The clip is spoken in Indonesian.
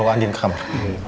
ah mau andiin ke kamar